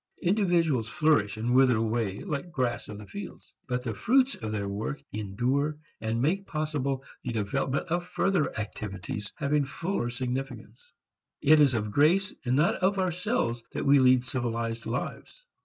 Individuals flourish and wither away like the grass of the fields. But the fruits of their work endure and make possible the development of further activities having fuller significance. It is of grace not of ourselves that we lead civilized lives.